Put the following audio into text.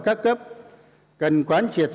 ca cấp cần quán triệt